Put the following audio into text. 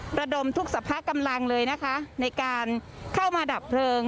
ระดมทุกสภากำลังเลยนะคะในการเข้ามาดับเพลิง